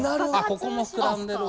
ここも膨らんでるわ。